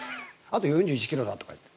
あと４１ｋｍだとかって。